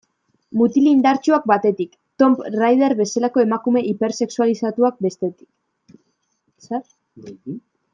Mutil indartsuak batetik, Tomb Raider bezalako emakume hipersexualizatuak bestetik.